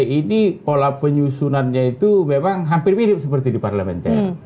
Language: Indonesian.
ini pola penyusunannya itu memang hampir mirip seperti di parlementer